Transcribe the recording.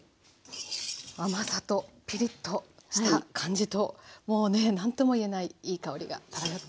甘さとピリッとした感じともうね何とも言えないいい香りが漂っています。